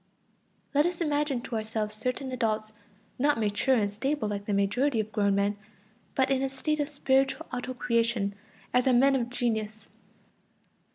Let us imagine to ourselves certain adults, not mature and stable like the majority of grown men, but in a state of spiritual auto creation, as are men of genius.